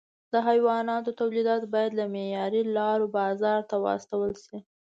د حیواناتو تولیدات باید له معیاري لارو بازار ته واستول شي.